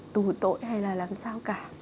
tù tội hay là làm sao cả